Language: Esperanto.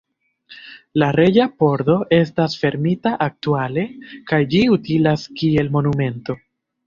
La Reĝa Pordo estas fermita aktuale kaj ĝi utilas kiel monumento.